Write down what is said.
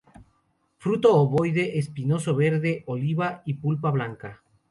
Fruto ovoide, espinoso, verde oliva y pulpa blanca.